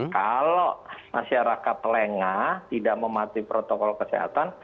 kalau masyarakat lengah tidak mematuhi protokol kesehatan